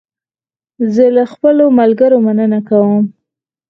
زه له خپلو ملګرو مننه کوم.